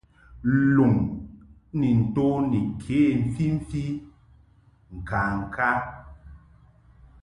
Luŋ ni nto ni ke mfimfi ŋkaŋka.